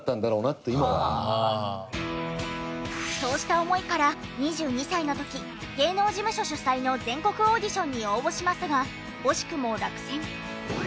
そうした思いから２２歳の時芸能事務所主催の全国オーディションに応募しますが惜しくも落選。